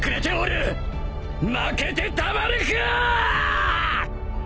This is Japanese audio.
負けてたまるか！